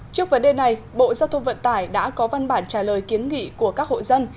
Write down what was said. trước vấn đề này bộ giao thông vận tải đã có văn bản trả lời kiến nghị của các hộ dân